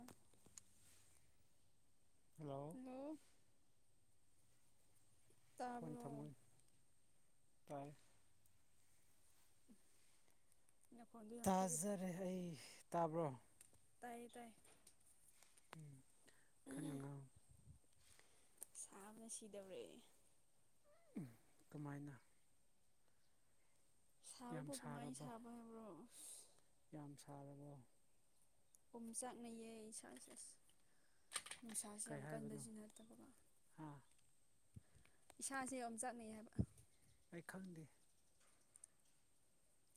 ꯎꯝ hello ꯅ ꯇꯥꯕꯨꯅꯣ ꯇ ꯅꯈꯣꯟꯗꯣ ꯌꯥꯝ ꯄꯤꯛꯑꯦ ꯇꯥꯖꯔꯦ ꯑꯩ ꯇꯥꯕ꯭ꯔꯣ ꯇꯥꯏ ꯇꯥꯏ ꯎꯝ ꯈꯩꯅꯉ ꯁꯥꯕꯅ ꯁꯤꯗꯧꯔꯛꯑꯦ ꯀꯃꯥꯏꯅ ꯌꯥꯝ ꯁꯥꯕꯐ ꯀꯃꯥꯏꯅ ꯁꯥꯔꯕꯣ ꯁꯥꯕ ꯍꯥꯏꯕ꯭ꯔꯣ ꯌꯥꯝ ꯁꯥꯔꯕꯣ ꯄꯝ ꯆꯥꯛꯅꯌꯦ ꯏꯁꯥ ꯏꯁꯦꯁ ꯅꯨꯡꯁꯥꯁ ꯀꯩ ꯌꯥꯝ ꯍꯥꯏꯕꯅꯣ ꯀꯟꯁꯨ ꯅꯠꯇꯕꯀ ꯍꯥ ꯏꯁꯥꯁꯦ ꯌ ꯆꯠꯅꯩ ꯍꯥꯏꯕ ꯑꯩ ꯈꯪꯗꯦ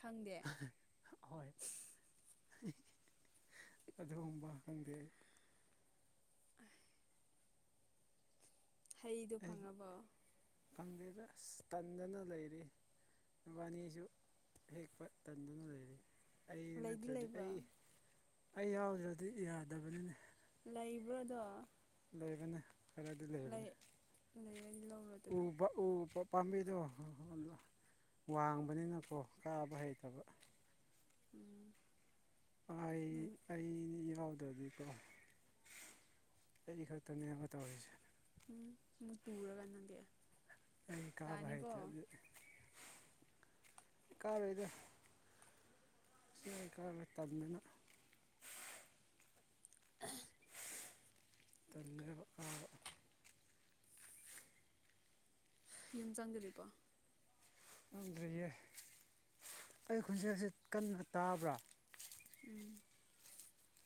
ꯈꯪꯗꯦ ꯍꯣꯏ ꯑꯗꯨꯒꯨꯝꯕ ꯈꯪꯗꯦ ꯑꯩ ꯍꯩꯗꯣ ꯐꯪꯉꯕꯣ ꯐꯪꯗꯦꯗ ꯇꯟꯗꯅ ꯂꯩꯔꯤ ꯕꯥꯅꯤꯁꯨ ꯍꯦꯛꯄ ꯇꯟꯗꯨꯅ ꯂꯩꯔꯤ ꯑꯩ ꯂꯩꯗꯤ ꯅꯠꯇ꯭ꯔꯗꯤ ꯂꯩꯕ꯭ꯔꯥ ꯑꯩ ꯑꯩ ꯌꯥꯎꯗ꯭ꯔꯗꯤ ꯌꯥꯗꯕꯅꯤꯅꯦ ꯂꯩꯕ꯭ꯔꯥꯗꯣ ꯔꯗꯤ ꯂꯩ ꯂꯩꯔꯗꯤ ꯂꯧꯔꯣꯗꯅ ꯂꯩꯕ ꯄꯥꯝꯕꯤꯗꯣ ꯋꯥꯡꯕꯅꯤꯅꯀꯣ ꯀꯥꯕ ꯍꯩꯇꯕ ꯎꯝ ꯑꯩ ꯅꯪ ꯑꯩꯗꯤ ꯌꯥ ꯑꯗꯨꯗꯤꯀꯣ ꯑꯩ ꯈꯛꯇꯅꯦꯕ ꯇꯧꯔꯤꯁꯦ ꯑꯃꯨꯛ ꯇꯨꯔꯒ ꯅꯪꯗꯦꯛꯑꯦ ꯏꯟꯀꯥꯕ ꯍꯩ ꯇ ꯀꯔ ꯑꯣꯏꯗ ꯆꯀ ꯂꯤꯇꯥꯕ ꯃ ꯇꯕ ꯌꯨꯝ ꯆꯪꯗꯣꯔꯤꯕꯔꯤꯕꯣ ꯑꯗꯨ ꯑꯩ ꯈꯨꯣꯟꯖꯦꯜꯁꯤ ꯀꯟꯅ ꯇꯥꯕ꯭ꯔꯥ ꯎꯝ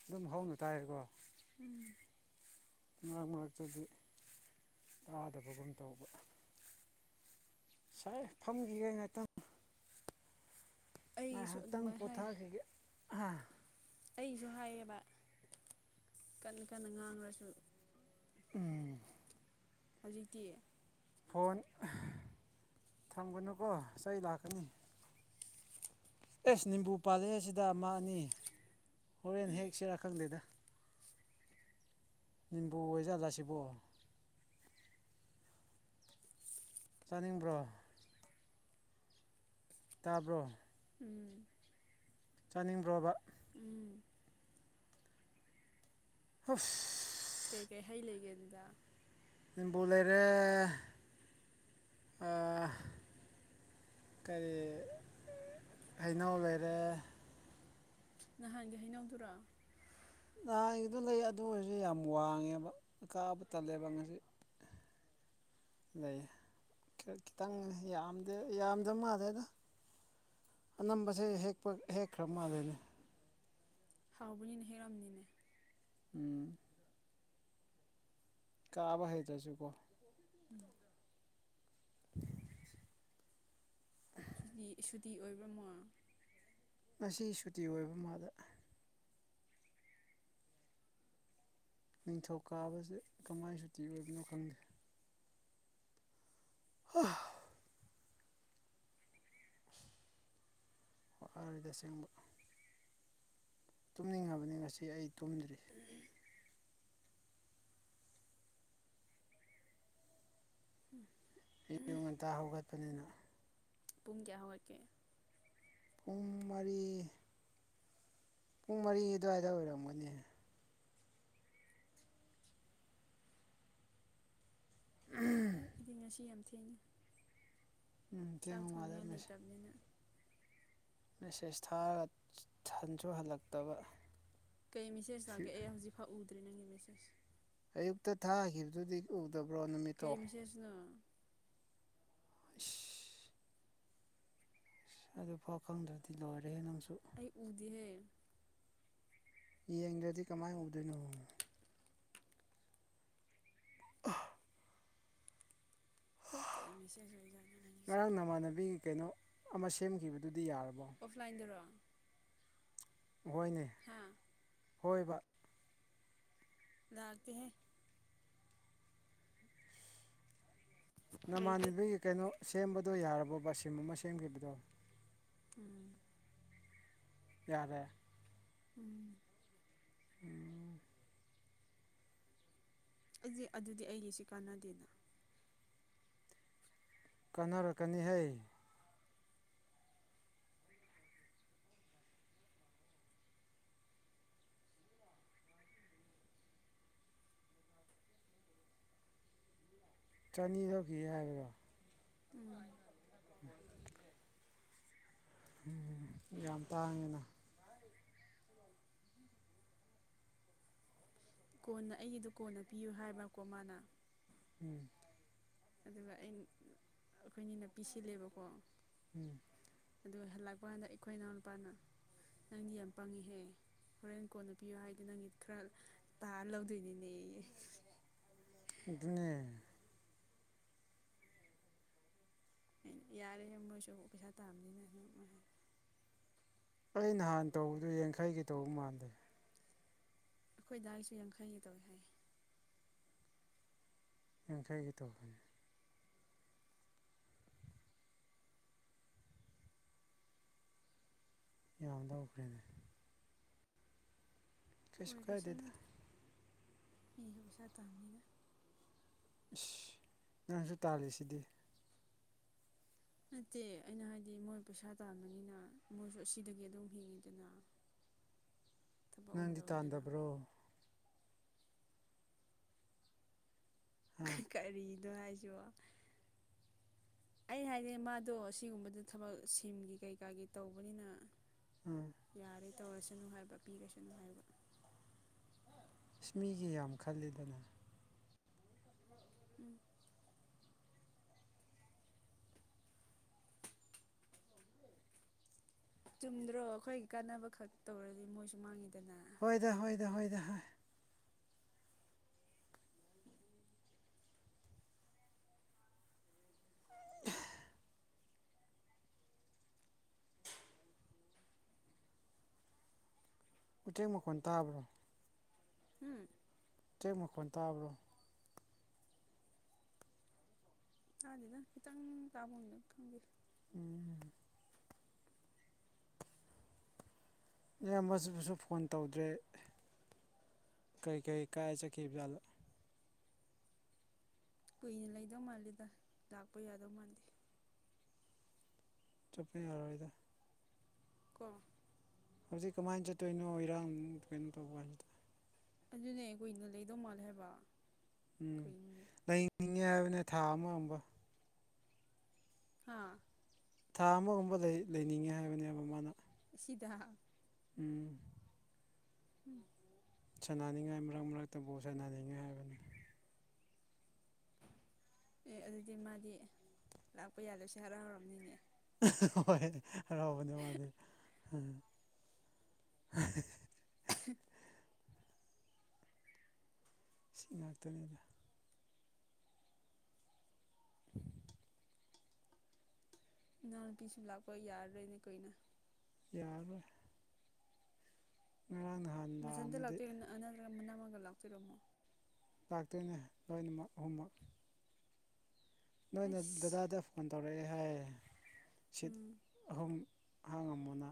ꯑꯗꯨꯝ ꯍꯧꯅ ꯇꯥꯏꯦꯀꯣ ꯎꯝ ꯉꯛ ꯃꯔꯛꯇꯗꯤ ꯇꯥꯗꯕꯒꯨꯝ ꯇꯧꯕ ꯁꯥꯏ ꯐꯝꯈꯤꯒꯦ ꯉꯥꯏꯥꯛꯇꯪ ꯑꯩꯒꯤꯁꯨ ꯍꯇꯥꯥꯡ ꯑꯗꯨꯃꯥꯏꯅ ꯄꯊꯥ ꯑꯩꯁꯨ ꯍꯥꯏꯌꯦꯕ ꯀꯟꯅ ꯀꯟꯅ ꯉꯥꯡꯂꯁꯨ ꯎꯝ ꯍꯧꯖꯤꯛꯀꯤ ꯐꯣꯟ ꯊꯝꯒꯅꯨꯀꯣ ꯏꯁꯩ ꯂꯥꯛꯀꯅꯤ ꯑꯦꯁ ꯅꯤꯝꯕꯨ ꯄꯥꯜꯂꯦ ꯑꯁꯤꯗ ꯑꯃ ꯑꯅꯤ ꯍꯣꯔꯦꯟ ꯍꯦꯛ ꯁꯤꯔꯥ ꯈꯪꯗꯦꯗ ꯕꯨ ꯑꯣꯏꯖꯥꯂꯁꯤꯕꯣ ꯆꯥꯅꯤꯡꯕ꯭ꯔꯣ ꯇꯥꯔꯕ꯭ꯔꯣ ꯎꯝ ꯆꯥꯅꯤꯡꯕ꯭ꯔꯣꯕ ꯎꯝ ꯍꯨꯐ ꯀꯩꯀꯩ ꯍꯩ ꯂꯩꯒꯦꯗꯨꯗ ꯕꯣ ꯂꯩꯔꯦ ꯀꯔꯤ ꯍꯩꯅꯧ ꯂꯩꯔꯦ ꯅꯍꯥꯟꯒꯤ ꯍꯩꯅꯧꯗꯨꯔꯥ ꯅꯍꯥꯟꯒꯤꯗꯣ ꯂꯩ ꯑꯗꯨ ꯑꯣꯏꯔꯁꯨ ꯌꯥꯝ ꯋꯥꯡꯉꯦꯕ ꯀꯥꯕ ꯇꯜꯂꯦꯕ ꯉꯁꯤ ꯂꯩ ꯈꯤꯇꯪ ꯌꯥꯝꯗ ꯌꯥꯝꯗꯕ ꯃꯥꯜꯗꯦꯗ ꯑꯅꯝꯕꯁꯦ ꯍꯦꯛꯄ ꯍꯦꯛꯈ꯭ꯔ ꯃꯥꯜꯜꯂꯤꯦꯅꯦ ꯍꯥꯎꯕꯅꯤꯅ ꯍꯦꯜꯔꯝꯅꯤꯅꯦ ꯎꯝ ꯀꯕ ꯍ ꯇꯁꯨ ꯀꯣ ꯎꯝ [unintelligible] ꯁꯨꯇꯤ ꯑꯣꯏꯕ꯭ꯔꯃꯣ ꯉꯁꯤ ꯁꯨꯇꯤ ꯑꯣꯏꯕ ꯃꯥꯗ ꯅꯤꯡꯊꯧ ꯀꯥꯕꯁꯦ ꯀꯃꯥꯏꯅ ꯁꯨꯇꯤ ꯑꯣꯏꯕꯅꯣ ꯈꯪꯗꯦ ꯍ ꯑꯗꯤꯁ ꯇꯨꯝꯅꯤꯡꯉꯕꯅꯤ ꯉꯁꯤ ꯑꯩ ꯇꯨꯝꯗ꯭ꯔꯤ ꯎꯝ ꯑꯌꯨ ꯉꯟꯇꯥ ꯍꯧꯒꯠꯄꯅꯤꯅ ꯄꯨꯡ ꯀꯌꯥ ꯍꯧꯋꯥꯔꯀꯦ ꯄꯨꯡ ꯃꯔꯤ ꯄꯨꯡ ꯃꯔꯤ ꯑꯗꯨꯋꯥꯏꯗ ꯑꯣꯏꯔꯝꯒꯅꯤ ꯊꯦꯡꯅ ꯎꯝ ꯆꯥꯛ ꯊꯦꯡꯕ ꯃꯥꯜꯂꯦ ꯊꯣꯡꯅꯤꯡꯉꯥꯏ ꯂꯩꯇꯕꯅꯤꯅ ꯃꯦꯁꯦꯖ ꯊꯥꯔꯒ ꯊꯟꯁꯨ ꯍꯜꯂꯛꯇꯕ ꯀꯩ ꯃꯦꯁꯦꯖ ꯁꯤ ꯂꯥꯛꯀꯦ ꯑꯦ ꯍꯧꯖꯤꯛ ꯐꯛꯎꯗ꯭ꯦ ꯅꯪꯒꯤ ꯃꯦꯁꯦꯖ ꯑꯌꯨꯛꯇ ꯊꯥꯈꯤꯕꯗꯨꯗꯤ ꯎꯗꯕ꯭ꯔꯣ ꯅꯨꯃꯤꯠꯇꯣ ꯀꯩ ꯃꯦꯁꯦꯖꯅꯣ ꯍ ꯑꯁ ꯑꯗꯨꯐꯥꯎ ꯈꯪꯗ꯭ꯔꯗꯤ ꯂꯣꯏꯔꯦ ꯅꯪ ꯑꯩ ꯎꯗꯤꯍꯦ ꯌꯦꯡꯗ꯭ꯔꯗꯤ ꯀꯃꯥꯏꯅ ꯎꯗꯣꯏꯅꯣ ꯑ ꯀꯩ ꯃꯦꯁꯦꯖ ꯑꯣꯏꯖꯥꯠꯅꯣ ꯉꯔꯥꯡ ꯅꯪꯒꯤꯁꯤꯕꯣ ꯅꯃꯥꯟꯅꯕꯤꯒꯤ ꯀꯩꯅꯣ ꯑꯃ ꯁꯦꯝꯈꯤꯕꯗꯨ ꯑꯣꯐꯂꯥꯏꯟꯗꯔꯣ ꯍꯣꯏꯅꯦ ꯍꯥ ꯍꯣꯏ ꯕ ꯂꯗꯥꯥꯛꯇ ꯍ ꯂꯩꯇꯦ ꯅꯃꯥꯟꯕꯤꯒꯤ ꯀꯩꯅꯣ ꯁꯦꯝꯕꯗꯣ ꯌꯥꯔꯕꯕꯕꯥ ꯁꯤꯝ ꯑꯃ ꯁꯦꯝꯈꯤꯕꯗꯣ ꯎꯝ ꯌꯥꯦ ꯎꯝ ꯎꯝ ꯑꯩꯁ ꯑꯗꯨꯗꯤ ꯑꯩꯒꯤꯁꯤ ꯀꯥꯟꯅꯗꯦꯅ ꯀꯥꯟꯅꯔꯛꯀꯅꯤꯍꯩ ꯆꯅꯤ ꯊꯣꯛꯀꯤ ꯍꯥꯏꯕ꯭ꯔꯣ ꯎꯝ ꯎꯝ ꯌꯥꯝ ꯇꯥꯡꯉꯦꯅ ꯀꯣꯟꯅ ꯑꯩꯒꯤꯗꯣ ꯀꯣꯟꯅ ꯄꯤꯌꯨ ꯍꯥꯏꯕꯀꯣ ꯃꯥꯅ ꯎꯝ ꯑꯗꯨꯒ ꯑ ꯑꯩꯈꯣꯏꯅꯤ ꯅꯨꯄꯤ ꯁꯤꯜꯂꯦꯕꯀꯣ ꯎꯝ ꯑꯗꯨꯒ ꯍꯜꯂꯛꯄ ꯀꯥꯟꯗ ꯑꯩꯈꯣꯏ ꯏꯅꯥꯎ ꯅꯨꯄꯥꯅ ꯅꯪꯗꯤ ꯌꯥꯝ ꯄꯪꯉꯤꯍꯦ ꯍꯣꯔꯦꯟ ꯀꯣꯟꯅ ꯄꯤꯌꯨ ꯍꯥꯏꯗ ꯅꯪꯒꯤ ꯈꯔ ꯇꯥꯔ ꯂꯧꯗꯣꯏꯅꯤꯅꯦ ꯏꯗꯤꯅꯦ ꯌꯥꯔꯦ ꯃꯣꯏꯁꯨ ꯄꯩꯁꯥ ꯇꯥꯕꯅꯤꯅ ꯑꯩ ꯅꯍꯥꯟ ꯇꯧꯕꯗꯨ ꯌꯥꯡꯈꯩꯒꯤ ꯇꯧꯕ ꯃꯥꯟꯗꯦ ꯑꯩꯈꯣꯏ ꯗꯥꯏꯒꯤꯁꯨ ꯌꯥꯡꯈꯩꯒꯤ ꯇꯧꯏꯤ ꯍꯥꯏ ꯏꯈꯥꯏꯒ ꯇꯣ ꯌꯥꯝꯗ ꯎꯈ꯭ꯔꯦꯅꯦ ꯀꯥꯏꯗꯦꯗ ꯑꯣꯏꯔꯁꯅꯨꯗ ꯃꯤꯁꯨ ꯄꯩꯁꯥ ꯇꯝꯅꯤꯅ ꯏꯁꯁ ꯅꯪꯁꯨ ꯇꯥꯜꯂꯤꯁꯤꯗꯤ ꯅꯠꯇꯦ ꯑꯩꯅ ꯍꯥꯏꯗꯤ ꯃꯣꯏ ꯄꯩꯁꯥ ꯇꯥꯟꯕꯅꯤꯅ ꯃꯣꯏꯁꯨ ꯑꯁꯤꯗꯒꯤ ꯑꯗꯨꯝ ꯍꯤꯡꯉꯤꯗꯅ ꯊꯕꯛ ꯑꯣꯏꯅ ꯅꯪꯗꯤ ꯇꯧꯋꯤꯗꯅ ꯇꯥꯟꯗꯕ꯭ꯔꯣ ꯑ ꯀꯔꯤꯗ ꯍꯥꯏꯖꯣ ꯑꯩ ꯍꯥꯏꯗꯤ ꯃꯥꯗꯣ ꯑꯁꯤꯒꯨꯝꯕꯗ ꯊꯕꯛ ꯁꯤꯝꯒꯤ ꯀꯩꯀꯥꯒꯤ ꯇꯧꯕꯅꯤꯅ ꯑꯥ ꯌꯥꯔꯦ ꯇꯧꯔꯁꯅꯨ ꯍꯥꯏꯕ ꯄꯤꯔꯁꯅꯨ ꯍꯥꯏꯕ ꯏꯁ ꯃꯤꯒꯤ ꯌꯥꯝ ꯈꯜꯂꯤꯗꯅ ꯎꯝ ꯆꯨꯝꯗ꯭ꯔꯣ ꯑꯩꯈꯣꯏꯒꯤ ꯀꯥꯟꯅꯕ ꯈꯛ ꯇꯧꯔꯗꯤ ꯃꯣꯏꯁꯨ ꯃꯥꯡꯉꯤꯗꯅ ꯍꯣꯏꯗ ꯍꯣꯏꯗ ꯍꯣꯏ ꯍ [inaudible] ꯎꯆꯦꯛ ꯃꯈꯣꯟ ꯇꯥꯕ꯭ꯔꯣ ꯎꯝ ꯆꯦꯛ ꯃ ꯈ ꯇꯥꯔꯕ꯭ꯔꯣ ꯇꯥꯗꯤꯗ ꯈꯤꯇꯪ ꯇꯥꯕꯅ ꯈꯪꯗꯦ ꯎꯝ ꯏꯌꯥꯝ ꯃꯁꯤꯕꯨꯁꯨ ꯐꯣꯟ ꯇꯧꯗ꯭ꯔꯦ ꯀꯩ ꯀꯩ ꯀꯥꯏ ꯆ ꯀꯞ ꯌꯥꯂ ꯀꯨꯏꯅ ꯂꯩꯗꯧ ꯃꯥꯜꯜꯂꯤꯦꯗ ꯂꯥꯛꯄ ꯌꯥꯗꯧ ꯃꯥꯜꯜꯂꯤꯦ ꯆꯣꯞꯄꯤ ꯍꯔꯣꯏꯗ ꯀ ꯍꯧꯖꯤꯛ ꯀꯃꯥꯏꯅ ꯆꯠꯇꯣꯏꯅꯣ ꯏꯔꯥꯡ ꯀꯩꯅꯣ ꯇꯧꯕ ꯍꯥꯏꯗ ꯑꯗꯨꯅꯦ ꯀꯨꯏꯅ ꯂꯩꯗꯧ ꯃꯥꯜꯂꯦ ꯍꯥꯏꯕ ꯎꯝ ꯀꯩꯅꯣꯅꯦ ꯂꯩꯅꯤꯡꯉꯦ ꯍꯥꯏꯕꯅꯦ ꯊꯥ ꯑꯃꯕ ꯍꯥꯥ ꯊꯥ ꯑꯃꯒꯨꯝꯕ ꯂꯩ ꯂꯩꯅꯤꯡꯉꯦ ꯍꯥꯏꯕꯅꯦꯕ ꯃꯥꯅ ꯁꯤꯗ ꯎꯝ ꯎꯝ ꯁꯥꯟꯅꯅꯤꯡꯉꯥꯏ ꯃꯔꯛ ꯃꯔꯛꯇꯕꯨ ꯁꯥꯟꯅꯅꯤꯡꯉꯥꯏ ꯍꯥꯏꯕꯅꯤ ꯑꯦ ꯑꯗꯨꯗꯤ ꯃꯥꯗꯤ ꯂꯥꯛꯄ ꯌꯥꯗꯣꯏꯁꯦ ꯍꯔꯥꯎ ꯍꯔꯝꯅꯤꯅꯦ ꯎꯝ ꯁꯤ ꯉꯥꯛꯇꯅꯤꯗ ꯅ ꯄꯤꯁ ꯂꯥꯛꯄ ꯌꯥꯔꯔꯦꯅꯦ ꯀꯣꯏꯅ ꯌꯥꯔꯔꯣꯏ ꯉꯔꯥꯡ ꯅꯍꯥꯟ ꯃꯊꯟꯇ ꯂꯥꯛꯑꯝꯃꯗꯤ ꯂꯥꯛꯇꯣꯏ ꯅꯠꯇ꯭ꯔꯒ ꯃꯅꯥꯃꯒ ꯂꯥꯛꯇꯣꯏꯔꯣꯃꯣ ꯂꯥꯛꯇꯣꯏꯅꯦ ꯂꯣꯏꯅꯃꯛ ꯑꯍꯨꯝꯃꯛ ꯅꯣꯏꯅ ꯑꯩꯁ ꯗꯗꯥꯗ ꯐꯣꯟ ꯇꯧꯔꯛꯑꯦ ꯍꯥꯏ ꯁꯤꯠ ꯎꯝ ꯑꯍꯨꯝ ꯑꯍꯥꯡ ꯑꯃꯝꯣꯅ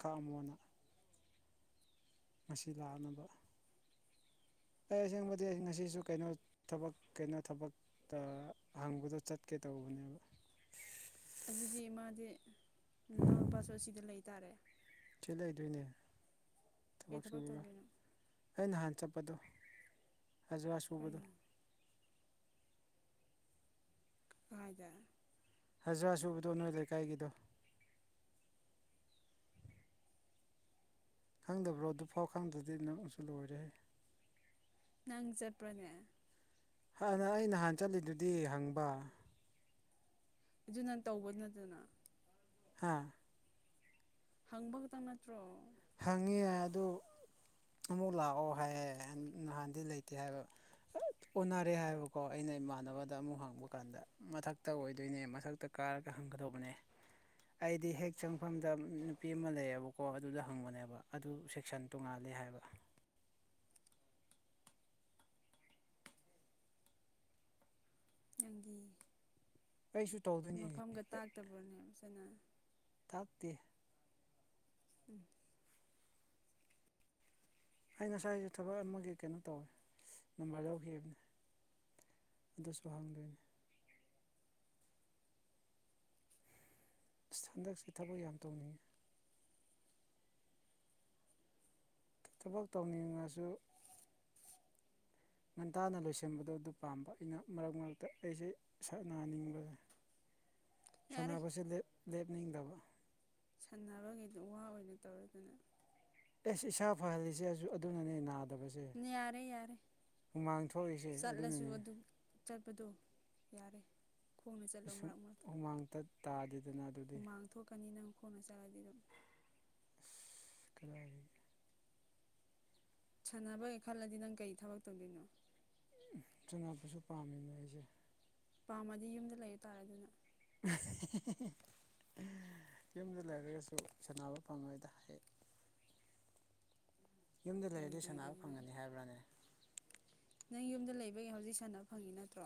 ꯀꯛꯑꯝꯃꯣꯅ ꯃꯁꯤ ꯂꯥꯛꯅꯕ ꯑꯩ ꯑꯁꯦꯡꯕꯗꯤ ꯑꯩ ꯉꯁꯤꯁꯨ ꯀꯩꯅꯣ ꯊꯕꯛ ꯀꯩꯅꯣ ꯊꯕꯛꯇ ꯍꯪꯕꯗꯣ ꯆꯠꯀꯦ ꯇꯧꯕꯅꯦꯕ ꯑꯗꯨꯗꯤ ꯃꯥꯗꯤ ꯂꯎꯄꯥꯁꯨ ꯑꯁꯤꯗ ꯂꯩꯇꯥꯔꯦ ꯏꯦ ꯂꯩꯗꯣꯏꯅꯦ ꯀꯩ ꯊꯕꯛ ꯁꯨꯔꯒ ꯇꯧꯗꯣꯏꯅꯣ ꯑꯩ ꯅꯍꯥꯟ ꯆꯞ ꯍꯥꯄꯗꯣ ꯍꯧꯖ ꯑ ꯁꯨꯕꯗꯣ ꯀꯩꯅꯣ ꯀꯥꯏꯗ ꯍꯖꯔꯥ ꯁꯨꯕꯗꯣ ꯅꯣꯏ ꯂꯩꯀꯥꯏꯒꯤꯗꯣ ꯈꯪꯗꯕ꯭ꯔꯣ ꯑꯗꯨꯐꯥꯎ ꯈꯪꯗ꯭ꯔꯗꯤ ꯅꯛꯅꯁꯨ ꯂꯣꯏꯔꯦ ꯅꯪ ꯆꯠꯄ꯭ꯔꯣꯅꯦ ꯑꯩ ꯅꯍꯥꯟ ꯆꯠꯂꯤꯗꯨꯗꯤ ꯍꯪꯕ ꯑꯗꯨꯅ ꯇꯧꯕ ꯅꯠꯇꯅ ꯍꯥꯥ ꯍꯪꯕ ꯈꯛꯇꯪ ꯅꯠꯇ꯭ꯔꯣ ꯍꯪꯉꯤ ꯑꯗꯨ ꯑꯃꯨꯛ ꯂꯥꯛꯑꯣ ꯍꯥꯏꯌꯦ ꯅꯍꯥꯟꯗꯤ ꯂꯩꯇꯦ ꯍꯥꯏꯕ ꯑꯣꯟꯅꯔꯦ ꯍꯥꯏꯕꯀꯣ ꯑꯩꯅ ꯏꯃꯥꯟꯅꯕꯗ ꯑꯃꯨꯛ ꯍꯪꯕ ꯀꯥꯟꯗ ꯃꯊꯛꯇ ꯑꯣꯏꯗꯣꯏꯅꯦ ꯃꯊꯛꯇ ꯀꯥꯔꯒ ꯍꯪꯒꯗꯧꯕꯅꯦ ꯑꯩꯗꯤ ꯍꯦꯛ ꯆꯪꯐꯝꯗ ꯅꯨꯄꯤ ꯑꯃ ꯂꯩꯌꯦꯕꯀꯣ ꯑꯗꯨꯗ ꯐꯪꯕꯅꯦꯕ ꯑꯗꯨ ꯁꯦꯛꯁꯟ ꯇꯣꯡꯉꯥꯂꯦ ꯍꯥꯏꯕ ꯅꯪꯒꯤ ꯑꯩꯁꯨ ꯇꯧꯗꯣꯏꯅꯦ ꯃꯐꯝꯒ ꯇꯥꯛꯇꯕ꯭ꯔꯣꯅꯦ ꯐꯅ ꯇꯞꯗꯤ ꯎꯝ ꯑꯩ ꯉꯁꯥꯏꯁꯦ ꯊꯕꯛ ꯑꯃꯒꯤ ꯀꯩꯅꯣ ꯇꯧꯋꯦ ꯅꯝꯕꯔ ꯂꯧꯈꯤꯕꯅꯦ ꯑꯗꯨꯁꯨ ꯍꯥꯡꯗꯣꯏꯅꯦ ꯍꯟꯗꯛꯁꯤ ꯊꯕꯛ ꯌꯥꯝ ꯇꯧꯅꯤꯡꯉꯤ ꯊꯕꯛ ꯇꯧꯅꯤꯡꯉꯁꯨ ꯉꯟꯇꯥꯅ ꯂꯣꯏꯁꯤꯟꯕꯗꯣ ꯑꯗꯨ ꯄꯥꯝꯕ ꯑꯩꯅ ꯃꯔꯛ ꯃꯔꯛꯇ ꯑꯩꯁꯦ ꯁꯛꯅꯅꯤꯡꯕ ꯌꯥꯔꯦ ꯁꯥꯟꯅꯕꯁꯦ ꯂꯦꯞ ꯂꯦꯞꯅꯤꯡꯗꯕ ꯁꯥꯟꯔꯉꯩꯗ ꯋꯥ ꯑꯣꯏꯅ ꯇꯧꯔꯗꯅ ꯑꯦ ꯏꯁ ꯏꯁꯥ ꯐꯍꯜꯂꯤꯁꯦꯁꯨ ꯑꯗꯨꯅꯅꯦ ꯅꯥꯜꯦ ꯌꯥꯗꯕꯁꯦ ꯌꯥꯔꯦ ꯌꯥꯔꯦ ꯍꯨꯃꯥꯡ ꯊꯣꯛꯂꯛꯏꯁꯦ ꯆꯠꯂꯁꯨ ꯑꯗꯨꯅꯅꯦ ꯑꯗꯨ ꯆꯠꯄꯗꯣ ꯌꯥꯔꯦ ꯈꯣꯡꯅ ꯆꯠꯂꯣ ꯁꯨꯝ ꯃꯔꯛ ꯃꯔꯛꯇ ꯍꯨꯃꯥꯡ ꯇꯥꯗꯦꯗꯅ ꯑꯗꯨꯗꯤ ꯍꯨꯃꯥꯡ ꯊꯣꯛꯀꯅꯤ ꯅꯪ ꯈꯣꯡꯅ ꯆꯠꯂꯗꯤ ꯑꯗꯨꯝ ꯑꯟꯏꯟꯇꯦꯜꯂꯤꯖꯦꯕꯜ ꯁꯥꯟꯅꯕꯒꯦ ꯈꯜꯂꯗꯤ ꯅꯪ ꯀꯩ ꯊꯕꯛ ꯇꯧꯗꯣꯏꯅꯣ ꯁꯅꯕꯁꯨ ꯄꯥꯝꯃꯤꯅꯦ ꯑꯩꯁꯦ ꯄꯥꯝꯃꯗꯤ ꯌꯨꯝꯗ ꯂꯩꯕ ꯇꯥꯔꯦ ꯑꯗꯨꯅ ꯑꯍꯦꯍꯦꯍꯦ ꯌꯨꯝꯗ ꯂꯩꯔꯒꯁꯨ ꯁꯥꯟꯅꯕ ꯐꯪꯉꯣꯏꯗ ꯍ ꯌꯨꯝꯗ ꯂꯩꯔꯗꯤ ꯁꯥꯟꯅꯕ ꯑꯣꯏꯔꯣꯏꯗꯕꯗ ꯐꯪꯒꯅꯤ ꯍꯥꯏꯕ꯭ꯔꯥꯅꯦ ꯅꯪ ꯌꯨꯝꯗ ꯂꯩꯕꯒꯤ ꯍꯧꯖꯤꯛ ꯁꯥꯟꯅꯕ ꯐꯪꯉꯤ ꯅꯠꯇ꯭ꯔꯣ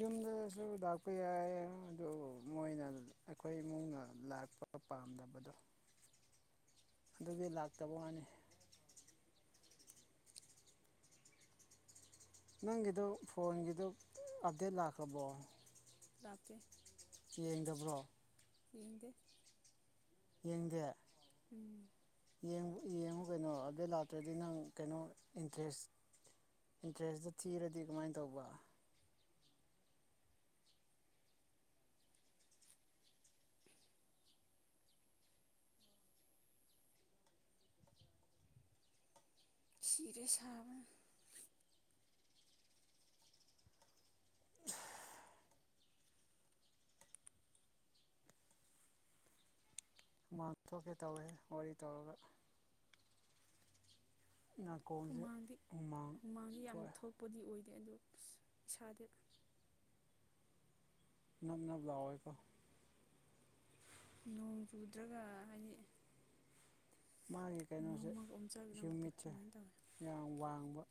ꯌꯨꯝꯗꯁꯨ ꯂꯥꯛꯄ ꯌꯥꯏ ꯑꯗꯨ ꯃꯣꯏꯅ ꯑꯩꯈꯣꯏ ꯏꯃꯨꯡꯅ ꯂꯥꯛꯄ ꯄꯥꯝꯗꯕꯗꯣ ꯑꯗꯨꯒꯤ ꯂꯥꯛꯇꯕ ꯋꯥꯅꯤ ꯅꯪꯒꯤꯗꯣ ꯐꯣꯟꯒꯤꯗꯣ ꯑꯞꯗꯦꯠ ꯂꯥꯛꯀꯔꯕꯣ ꯂꯥꯛꯇꯦ ꯆꯌꯥ ꯗꯕ꯭ꯔꯣ ꯌꯦꯡꯗꯦ ꯌꯦꯡꯗꯦ ꯎꯝ ꯌꯦꯡꯕ ꯌꯦꯡꯉꯨ ꯀꯩꯅꯣ ꯑꯕꯗꯦꯠ ꯂꯥꯛꯇ꯭ꯔꯗꯤ ꯅꯪ ꯀꯩꯅꯣ ꯏꯟꯇꯔꯦꯁ ꯏꯟꯇꯔꯦꯁꯇꯨ ꯊꯤꯔꯗꯤ ꯀꯃꯥꯏꯅ ꯇꯧꯕ ꯁꯤꯔꯦ ꯁꯥꯕꯅ ꯃꯊꯣꯛꯒꯦ ꯇꯧꯋꯦ ꯋꯥꯔꯤ ꯇꯧꯔꯒ ꯅꯥꯀꯣꯡꯁꯦ ꯍꯨꯃꯥꯡꯗꯤ ꯍꯨꯃꯥꯡ ꯍꯨꯃꯥꯡꯗꯤ ꯌꯥꯝ ꯊꯣꯛꯑꯦ ꯊꯣꯛꯄꯗꯤ ꯑꯣꯏꯗꯦ ꯑꯗꯨ ꯏꯁ ꯏꯁꯥꯗ ꯅꯞ ꯅꯞ ꯂꯣꯏꯀꯣ ꯅꯣꯡ ꯆꯨꯗ꯭ꯔꯒ ꯍꯥꯏꯗꯤ ꯃꯥꯒꯤ ꯀꯩꯅꯣꯁꯦ ꯃꯝꯃꯒ ꯑꯣꯝꯆꯥꯛꯅꯕꯗꯣ ꯍ꯭ꯌꯨꯃꯤꯠꯁꯦ ꯑꯗꯨꯃꯥꯏꯅ ꯇꯧꯋꯤ ꯌꯥꯝ ꯋꯥꯡꯕ